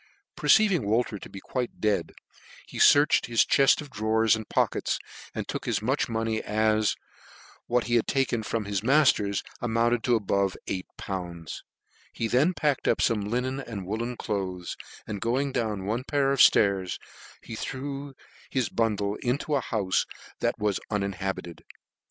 Perceiving Wolter to be quite dead, he fearch ed his chefl of drawers and pockets, and took as much money as, with what he had* taken from his mafteis, amounted to above eight pounds* lie then packed up fome linen and woollen cloaths, and going down one pair of flairs, he threw his bundle Into a houfe that was uninha bited.